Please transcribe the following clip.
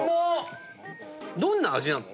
どんな味なの？